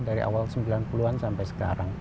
dari awal sembilan puluh an sampai sekarang